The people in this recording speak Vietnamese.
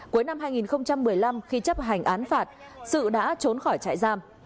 cuối năm hai nghìn một mươi năm khi chấp hành án phạt sự đã trốn khỏi trại giam